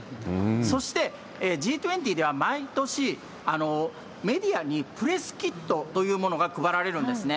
そしてＧ２０では毎年、メディアにプレスキットというものが配られるんですね。